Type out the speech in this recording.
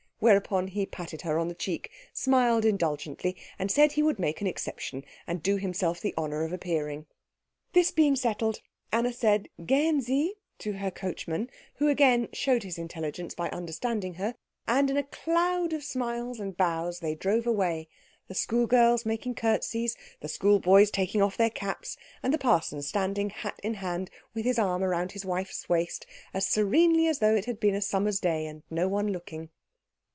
Whereupon he patted her on the cheek, smiled indulgently, and said he would make an exception and do himself the honour of appearing. This being settled, Anna said Gehen Sie to her coachman, who again showed his intelligence by understanding her; and in a cloud of smiles and bows they drove away, the school girls making curtseys, the schoolboys taking off their caps, and the parson standing hat in hand with his arm round his wife's waist as serenely as though it had been a summer's day and no one looking.